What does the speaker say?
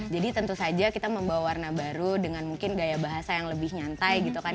jadi tentu saja kita membawa warna baru dengan mungkin gaya bahasa yang lebih nyantai gitu kan